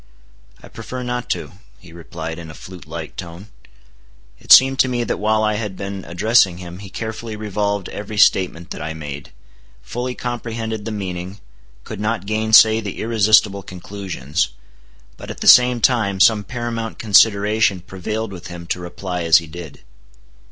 "I prefer not to," he replied in a flute like tone. It seemed to me that while I had been addressing him, he carefully revolved every statement that I made; fully comprehended the meaning; could not gainsay the irresistible conclusions; but, at the same time, some paramount consideration prevailed with him to reply as he did.